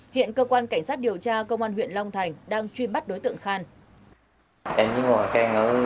hiện cơ quan cảnh sát điều tra công an huyện long thành đang truy bắt đối tượng khan